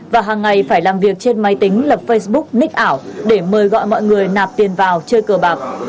và hàng ngày phải làm việc trên máy tính lập facebook nick ảo để mời gọi mọi người nạp tiền vào chơi cờ bạc